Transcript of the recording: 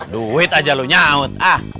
duit aja lu nyaut